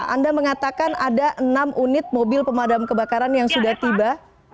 anda mengatakan ada enam unit mobil pemadam kebakaran yang sudah tiba